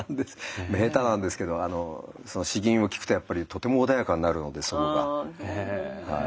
下手なんですけど詩吟を聴くとやっぱりとても穏やかになるので祖母が。